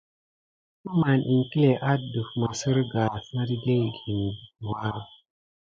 Əmɑŋə iŋklé adef masirka asna ki di kil butua an akebitka.